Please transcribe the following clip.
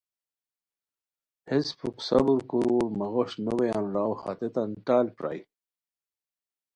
ہیس پُھک صبر کورور ، مہ غوش نوبویان راؤ ہتیتان ٹال پرائے